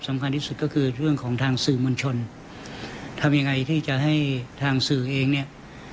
สำคัญที่สุดก็คือเรื่องของทางสื่อมวลชนทำยังไงที่จะให้ทางสื่อเองเนี่ย